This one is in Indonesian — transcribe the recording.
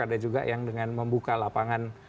ada juga yang dengan membuka lapangan